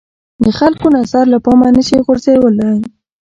د خلکو نظر له پامه نه شي غورځېدلای